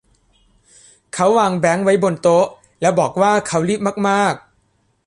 เขาวางแบงค์ไว้บนโต๊ะแล้วบอกว่าเขารีบมากมาก